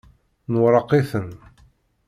Nwerreq-iten.